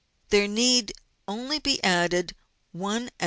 There need only be added one oz.